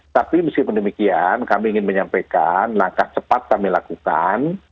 tapi meskipun demikian kami ingin menyampaikan langkah cepat kami lakukan